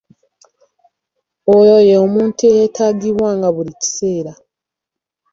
Oyo ye muntu eyeetaagibwanga buli kiseera.